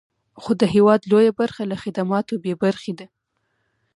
خو د هېواد لویه برخه له خدماتو بې برخې ده.